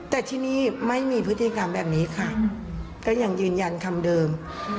แต่ที่นี่ไม่มีพฤติกรรมแบบนี้ค่ะก็ยังยืนยันคำเดิม